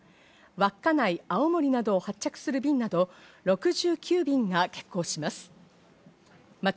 稚内、青森など発着する便など６９便が欠航しました。